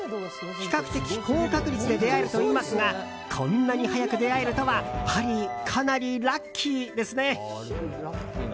比較的、高確率で出会えるといいますがこんなに早く出会えるとはハリー、かなりラッキーですね。